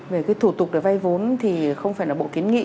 về cái thủ tục để vay vốn thì không phải là bộ kiến nghị